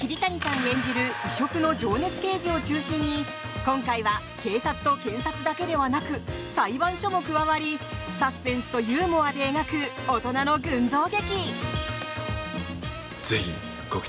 演じる異色の情熱刑事を中心に今回は警察と検察だけではなく裁判所も加わりサスペンスとユーモアで描く大人の群像劇。